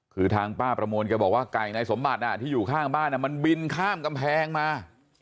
คือทางป้าประมวลแกบอกว่าไก่นายสมบัติที่อยู่ข้างบ้านมันบินข้ามกำแพงมา